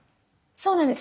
そうなんです。